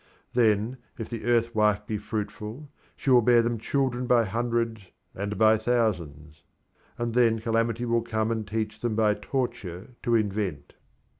Then, if the Earth wife be fruitful, she will bear them children by hundreds and by thousands; and then calamity will come and teach them by torture to invent.